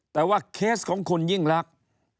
แต่ว่าเคสของคุณยิ่งลักษณ์